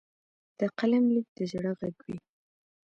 د قلم لیک د زړه غږ وي.